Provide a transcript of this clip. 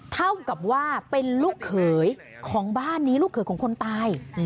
เท่ากับว่าเป็นลูกเขยของบ้านนี้ลูกเขยของคนตาย